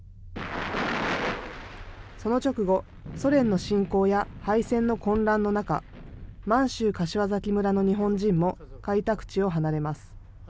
その直後、ソ連の侵攻や敗戦の混乱の中、満州柏崎村の日本人も開拓地を離れます。